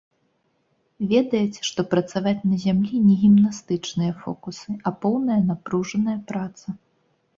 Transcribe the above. Ведаеце, што працаваць на зямлі не гімнастычныя фокусы, а поўная напружаная праца.